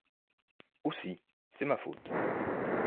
Aussi, c'est ma faute.